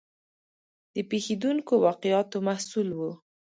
د پېښېدونکو واقعاتو محصول و.